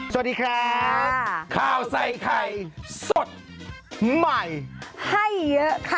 สวัสดีครับข้าวใส่ไข่สดใหม่ให้เยอะค่ะ